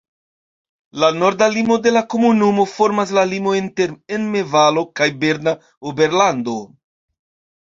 La norda limo de la komunumo formas la limon inter Emme-Valo kaj Berna Oberlando.